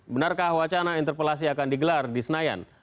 benarkah wacana interpelasi akan digelar di senayan